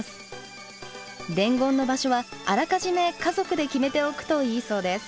伝言の場所はあらかじめ家族で決めておくといいそうです。